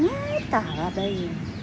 hết cả ở đây